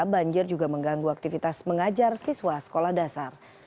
banjir juga mengganggu aktivitas mengajar siswa sekolah dasar